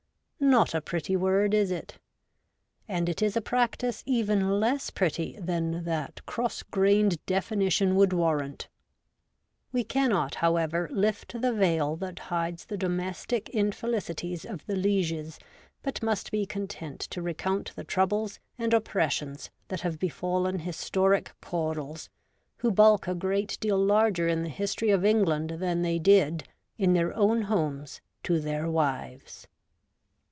Not a pretty word, is it ? And it is a practice even less pretty than that cross grained definition would war rant. We cannot, however, lift the veil that hides the domestic infelicities of the lieges, but must be content to recount the troubles and oppressions that have befallen historic Caudles, who bulk a great deal larger in the history of England than they did, in their own homes, to their wives.